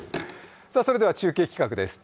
それでは中継企画です。